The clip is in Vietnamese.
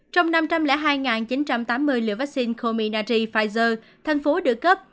trong năm trăm linh hai chín trăm tám mươi liều vaccine cominagri pfizer thành phố được cấp